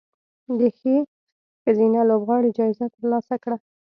د ښې ښځینه لوبغاړې جایزه ترلاسه کړه